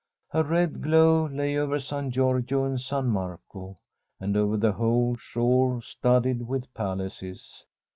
A red glow lay over San Giorgio and San Marco, and over the whole shore, studded with palaces.